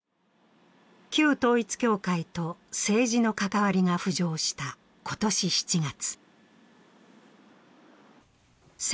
旧統一教会と政治の関わりが浮上した今年７月。